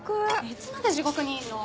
いつまで地獄にいるの？